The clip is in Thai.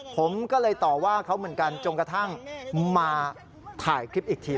ผมก็เลยต่อว่าเขาเหมือนกันจนกระทั่งมาถ่ายคลิปอีกที